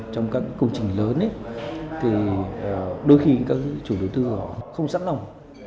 trong các công trình lớn thì đôi khi các chủ đầu tư của họ không sẵn lòng